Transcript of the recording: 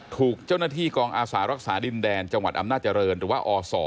ถูกเจ้าหน้าที่กองอาสารักษาดินแดนจังหวัดอำนาจริงหรือว่าอศ